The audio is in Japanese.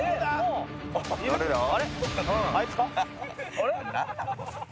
あれ？